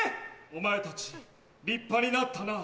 お前たち立派になったな。